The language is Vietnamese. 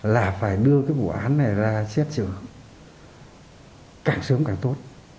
là phải đưa cái vụ án này ra xét xử càng sớm càng tốt